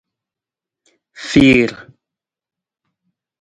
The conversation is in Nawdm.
Fiir.